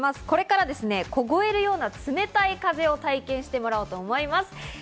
これから凍えるような冷たい風を体験してもらおうと思います。